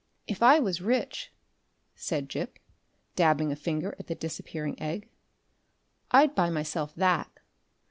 "If I was rich," said Gip, dabbing a finger at the Disappearing Egg, "I'd buy myself that.